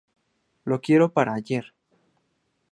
Lo quiero para ayer